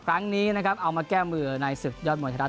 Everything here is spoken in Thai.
ครั้งนี้นะครับเอามาแก้มือในศึกยอดมวยไทยรัฐ